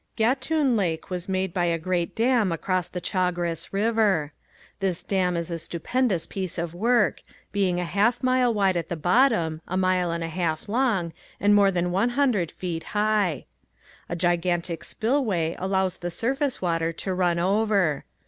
Gatun Lake was made by a great dam across the Chagres river. This dam is a stupendous piece of work, being a half mile wide at the bottom, a mile and a half long, and more than one hundred feet high. A gigantic spillway allows the surface water to run over.